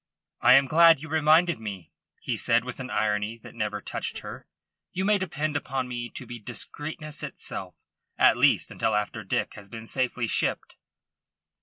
"I am glad you reminded me," he said with an irony that never touched her. "You may depend upon me to be discreetness itself, at least until after Dick has been safely shipped."